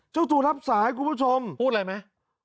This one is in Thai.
เจ้าตัวรับสายคุณผู้ชมพูดอะไรไหม